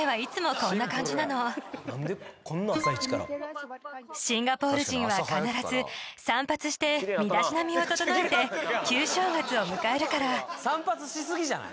こんな朝一からシンガポール人は必ず散髪して身だしなみを整えて旧正月を迎えるから散髪しすぎじゃない？